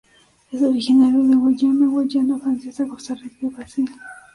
Es originario de Guyana, Guayana Francesa, Costa Rica y Brasil.